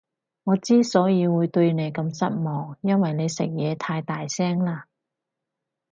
我之所以會對你咁失望，因為你食嘢太大聲喇